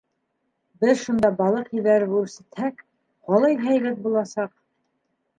Беҙ шунда балыҡ ебәреп үрсетһәк, ҡалай һәйбәт буласаҡ.